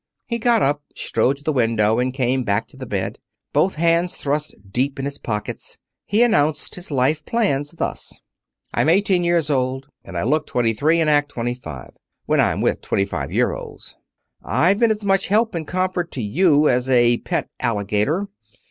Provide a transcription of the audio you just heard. He got up, strode to the window, and came back to the bed. Both hands thrust deep in his pockets, he announced his life plans, thus: "I'm eighteen years old. And I look twenty three, and act twenty five when I'm with twenty five year olds. I've been as much help and comfort to you as a pet alligator.